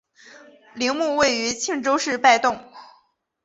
陵墓位于庆州市拜洞。